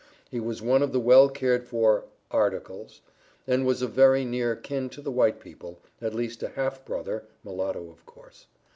He was one of the well cared for "articles," and was of very near kin to the white people, at least a half brother (mulatto, of course).